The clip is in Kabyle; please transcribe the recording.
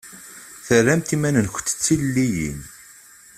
Terramt iman-nkumt d tilelliyin.